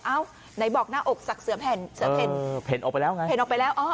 เอ้าไหนบอกหน้าอกสักเสือแผ่นเสือแผ่นเออแผ่นออกไปแล้วไง